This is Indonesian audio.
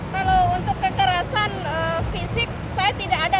kalau untuk kekerasan fisik saya tidak ada